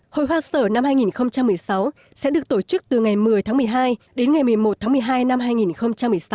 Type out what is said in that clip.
hội hoa sở năm hai nghìn một mươi sáu sẽ được tổ chức từ ngày một mươi tháng một mươi hai đến ngày một mươi một tháng một mươi hai năm hai nghìn một mươi sáu